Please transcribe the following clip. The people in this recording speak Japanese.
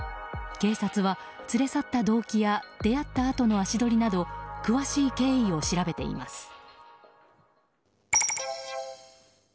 警察は、連れ去った動機や出会ったあとの足取りなど詳しい経緯を調べています。